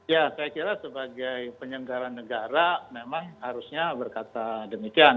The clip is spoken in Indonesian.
ya saya kira sebagai penyelenggara negara memang harusnya berkata demikian